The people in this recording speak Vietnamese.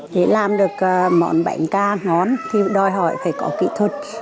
để làm được món bánh ca ngon thì đòi hỏi phải có kỹ thuật